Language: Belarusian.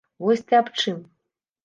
Вось ты аб чым?